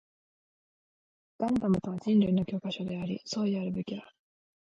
ガンダムとは人類の教科書であり、総意であるべきだ